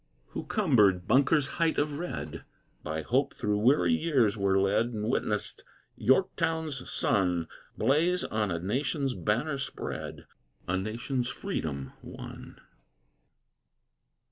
Who cumbered Bunker's height of red, By hope through weary years were led, And witnessed Yorktown's sun Blaze on a nation's banner spread, A nation's freedom won.